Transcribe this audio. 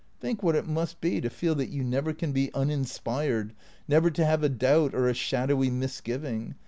Think what it must be to feel that you never can be uninspired, never to have a doubt or a shadowy misgiving.